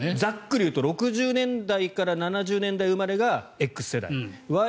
ざっくり言うと６０年代から７０年代生まれがＸ世代。